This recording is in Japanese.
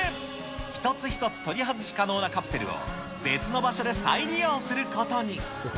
一つ一つ取り外し可能なカプセルを、別の場所で再利用することに。